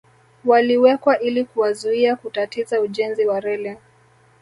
Waliwekwa ili kuwazuia kutatiza ujenzi wa reli